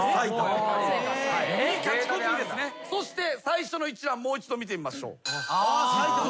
そして最初の一覧もう一度見てみましょう。